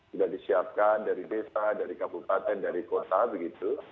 sudah disiapkan dari desa dari kabupaten dari kota begitu